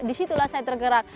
di situlah saya tergerak